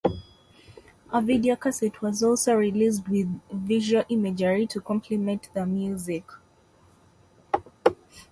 A video cassette was also released with visual imagery to complement the music.